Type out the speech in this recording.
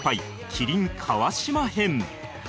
麒麟川島編